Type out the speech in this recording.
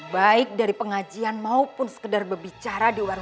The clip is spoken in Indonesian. baik dari pengajian maupun sekedar berbicara di warung